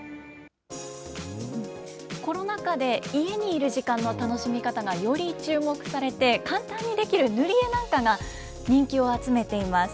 コロナ禍で、家にいる時間の楽しみ方がより注目されて、簡単にできる塗り絵なんかが、人気を集めています。